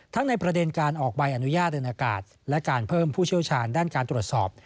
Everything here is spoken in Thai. ในประเด็นการออกใบอนุญาตเดินอากาศและการเพิ่มผู้เชี่ยวชาญด้านการตรวจสอบ